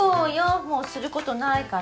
もうすることないから。